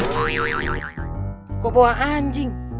kok bawa anjing